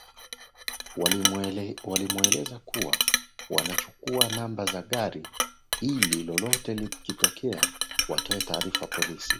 Walimueleza kuwa wanachukuwa namba za gari ili lolote likitokea watoe taarifa polisi